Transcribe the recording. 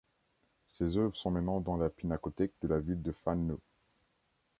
Ces œuvres sont maintenant dans la pinacothèque de la ville de Fano.